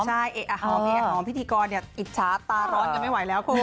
ใช่หอมเอหอมพิธีกรอิจฉาตาร้อนกันไม่ไหวแล้วคุณ